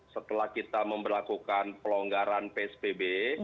setelah kita memperlakukan pelonggaran psbb